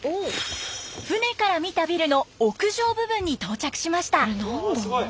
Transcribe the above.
船から見たビルの屋上部分に到着しました。